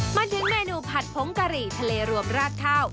มาถึงเมนูผัดผงกะหรี่ทะเลรวมราดข้าว